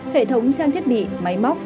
hệ thống trang thiết bị máy móc